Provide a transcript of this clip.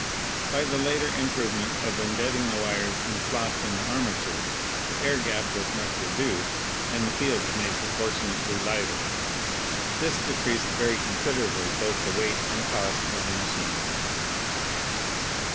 By the later improvement of embedding the wires in slots in the armature, the air gap was much reduced and the fields made proportionately lighter. This decreased very considerably both the weight and cost of the machine.